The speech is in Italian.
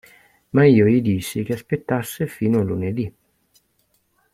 Ma io gli dissi che aspettasse fino a lunedì.